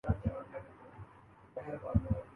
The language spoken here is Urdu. ہمارے ملک میں فوج کے سوا ھے بھی کیا